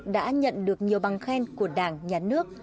đã nhận được nhiều bằng khen của đảng nhà nước